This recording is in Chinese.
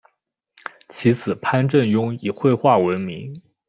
其子潘振镛以绘画闻名。